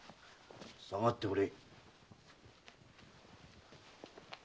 下がっておれ。